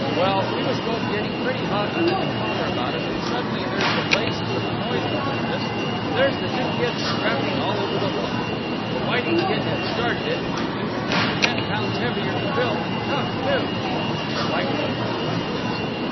Well, we was both getting pretty hot under the collar about it when suddenly there's the blazes of a noise behind us, and there's the two kids scrapping all over the lot. The Whiting kid had started it, mind you, and him ten pounds heavier than Bill, and tough, too." The White Hope confirmed this.